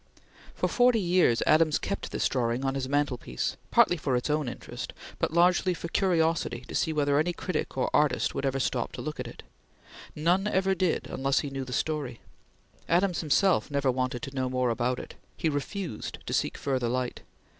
For forty years Adams kept this drawing on his mantelpiece, partly for its own interest, but largely for curiosity to see whether any critic or artist would ever stop to look at it. None ever did, unless he knew the story. Adams himself never wanted to know more about it. He refused to seek further light.